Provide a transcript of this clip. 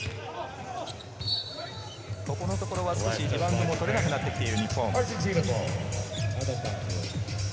ここのところ少しリバウンドも取れなくなってきている日本。